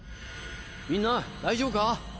みんな大丈夫か？